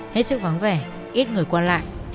hết sức vắng vẻ ít người qua lại